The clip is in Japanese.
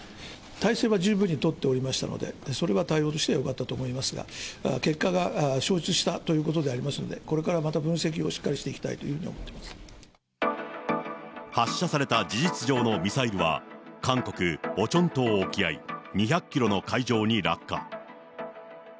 体制は十分に取っておりましたので、それは対応としてはよかったと思いますが、結果が消失したということでありますから、これからまた分析をしっかりしていきたいというふうに思っており発射された事実上のミサイルは、韓国・オチョン島沖合２００キロの海上に落下。